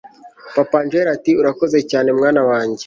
papa angella ati urakoze cyane mwana wanjye